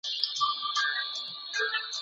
ايا ټولنيز فکر يوازې د کنت کار و؟